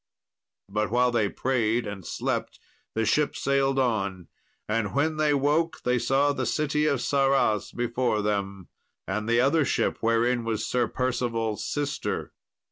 But while they prayed and slept the ship sailed on, and when they woke they saw the city of Sarras before them, and the other ship wherein was Sir Percival's sister.